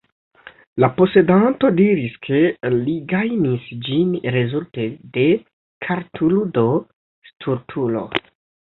La posedanto diris, ke li gajnis ĝin rezulte de kartludo Stultulo.